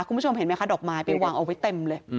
คุณผู้ชมเห็นไหมคะดอกไม้ไปวางเอาไว้เต็มเลย